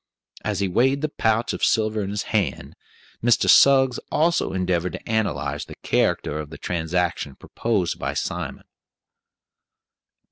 As he weighed the pouch of silver in his hand, Mr. Suggs also endeavored to analyze the character of the transaction proposed by Simon.